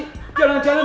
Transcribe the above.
masih jalan jalan